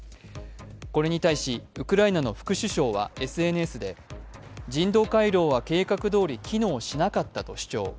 これに対し、ウクライナの副首相はＳＮＳで人道回廊は計画どおり機能しなかったと主張。